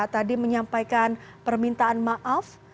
tadi menyampaikan permintaan maaf